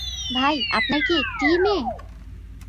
ভাই, আপনার কি একটিই মেয়ে?